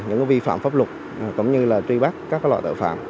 những vi phạm pháp luật cũng như là truy bắt các loại tội phạm